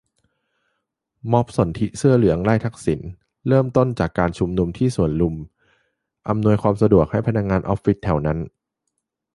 ม็อบสนธิเสื้อเหลืองไล่ทักษิณ เริ่มต้นจากการชุมนุมที่สวนลุม อำนวยความสะดวกให้พนักงานออฟฟิศแถวนั้น